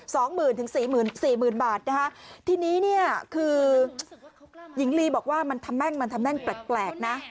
สองหมื่นถึงสี่หมื่นสี่หมื่นบาทนะคะทีนี้เนี่ยคือหญิงลีบอกว่ามันทำแม่งมันทำแม่งแปลกแปลกนะ